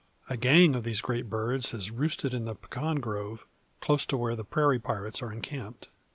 A gang of these great birds has roosted in the pecan grove, close to where the prairie pirates are encamped.